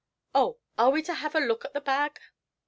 Oh, are we to have a look at the bag?'